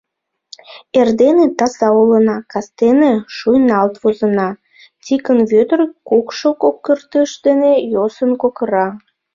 Эрдене таза улына, кастене шуйналт возына, — Тикын Вӧдыр кукшо кокыртыш дене йӧсын кокыра.